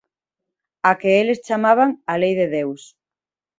A que eles chamaban “a Lei de Deus”.